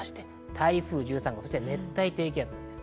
台風１３号と熱帯低気圧です。